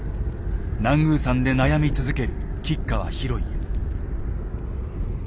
南宮山で悩み続ける吉川広家。